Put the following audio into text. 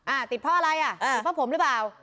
อ่าติดเพราะอะไรอ่ะติดเพราะผมหรือเปล่า